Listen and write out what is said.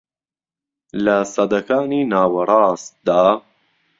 لە سەدەکانی ناوەڕاستدا